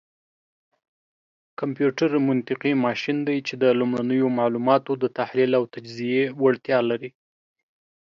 کمپيوټر منطقي ماشين دی، چې د لومړنيو معلوماتو دتحليل او تجزيې وړتيا لري.